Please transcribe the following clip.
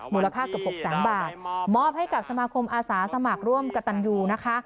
มูลค่าเกือบหกแสนบาทมอบให้กับสมาคมอาสาสมัครร่วมกับตันยูนะคะ